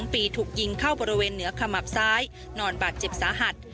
ปีถูกยิงเข้าบริเวณเหนือขมับซ้ายนอนบาดเจ็บสาหัส